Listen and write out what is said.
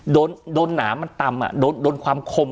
โดนหนามันต่ำโดนความคม